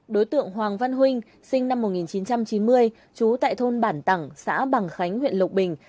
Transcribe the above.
đối tượng hoàng văn huynh sinh năm một nghìn chín trăm chín mươi trú tại thôn bản tẳng xã bằng khánh huyện lộc bình